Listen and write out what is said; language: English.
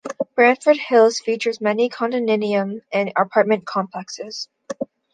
Branford Hills features many condominium and apartment complexes.